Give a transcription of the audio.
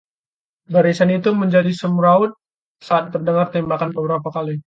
barisan itu menjadi semrawut saat terdengar tembakan beberapa kali